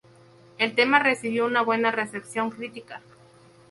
El tema recibió una buena recepción crítica.